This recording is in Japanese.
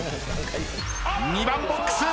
２番ボックス！